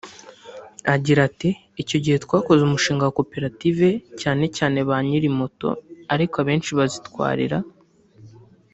Agira ati “Icyo gihe twakoze umushinga wa Koperative cyane cyane ba nyirimoto ariko abenshi bazitwarira